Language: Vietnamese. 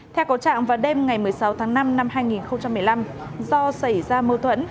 theo có trạng vào đêm ngày một mươi sáu tháng năm năm hai nghìn một mươi năm do xảy ra mâu thuẫn